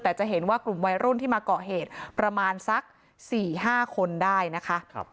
แต่จะเห็นว่ากลุ่มวัยรุ่นที่มาเกาะเหตุประมาณสัก๔๕คนได้นะคะ